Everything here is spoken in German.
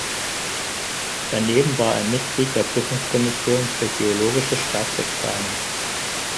Daneben war er Mitglied der Prüfungskommission für geologische Staatsexamen.